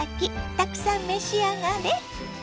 たくさん召し上がれ。